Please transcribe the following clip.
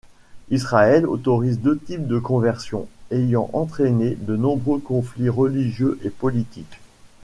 Israël autorise deux types de conversions, ayant entraîné de nombreux conflits religieux et politiques.